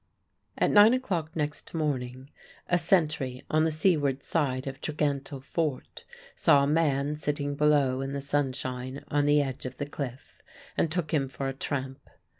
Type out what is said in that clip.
At nine o'clock next morning a sentry on the seaward side of Tregantle Fort saw a man sitting below in the sunshine on the edge of the cliff, and took him for a tramp.